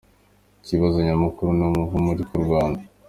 Ikibazo nyamukuru ni umuvumo uri ku Rwanda.